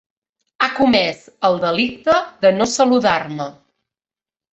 Ha comès el delicte de no saludar-me.